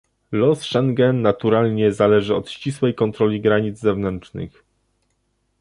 Los Schengen naturalnie zależy od ścisłej kontroli granic zewnętrznych